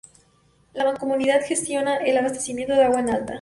La mancomunidad gestiona el abastecimiento de agua en alta.